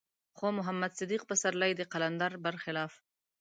خو محمد صديق پسرلی د قلندر بر خلاف.